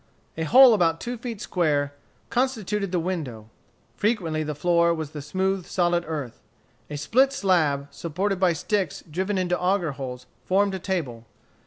A hole about two feet square constituted the window. Frequently the floor was the smooth, solid earth. A split slab supported by sticks driven into auger holes, formed a table.